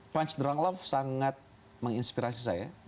punch donald love sangat menginspirasi saya